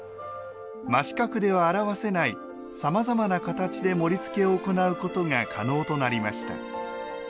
真四角では表せないさまざまな形で盛りつけを行うことが可能となりました